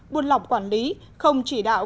buôn lọc quản lý không chỉ đạo